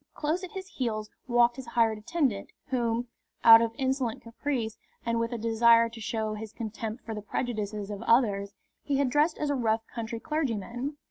Close at his heels walked his hired attendant, whom, out of insolent caprice and with a desire to show his contempt for the prejudices of others, he had dressed as a rough country clergyman.